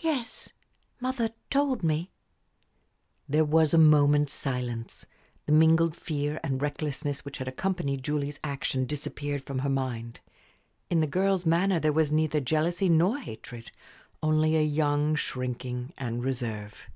"Yes, mother told me." There was a moment's silence. The mingled fear and recklessness which had accompanied Julie's action disappeared from her mind. In the girl's manner there was neither jealousy nor hatred, only a young shrinking and reserve.